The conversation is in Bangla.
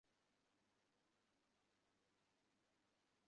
চারি দিকে ফুলফল, গোয়ালঘর, পুজোবাড়ি, শস্যখেত, মানুষজন।